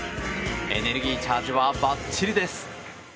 エネルギーチャージはばっちりです。